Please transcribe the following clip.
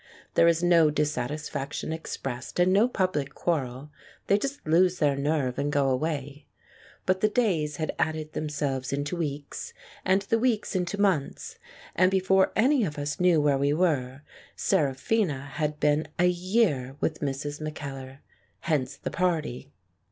There is no dissatisfaction expressed and no public quarrel. They just lose their nerve and go away. But the days had added themselves into weeks, and the weeks into months, and before any of us knew where we were, Seraphina had been a year with Mrs. Mackellar. Hence the party.